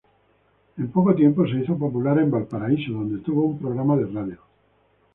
En poco tiempo se hizo popular en Valparaíso, donde tuvo un programa de radio.